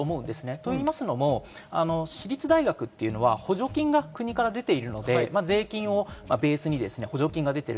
というのも、私立大学は補助金が国から出ているので、税金をベースに補助金が出ている。